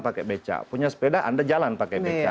pakai beca punya sepeda anda jalan pakai beca